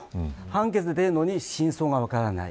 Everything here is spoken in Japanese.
判決が出ているのに真相が分からない。